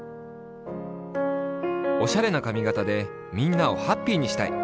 おしゃれな髪型でみんなをハッピーにしたい！